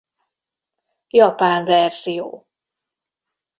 Japán verzió